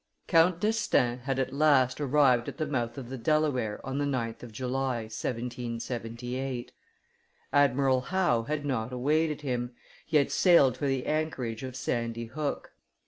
Count d'Estaing had at last arrived at the mouth of the Delaware on the 9th of July, 1778; Admiral Howe had not awaited him, he had sailed for the anchorage of Sandy Hook.